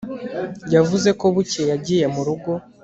Yavuze ko bukeye yagiye mu rugo